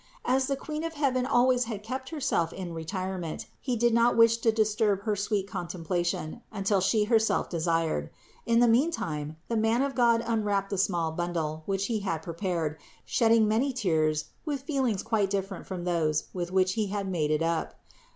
As the Queen of heaven always had kept Herself in retirement, he did not wish to disturb her sweet contemplation, until She her self desired. In the meantime the man of God un wrapped the small bundle, which he had prepared, shed ding many tears with feelings quite different from those with which he had made it up.